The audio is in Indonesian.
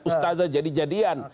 ustazah jadi jadian